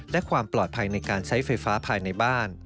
และความปลอดภัยในการใช้ไฟฟ้าภายในบ้าน